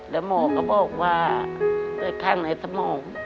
แล้วหมอก็บอกว่าเลือดข้างในสมอง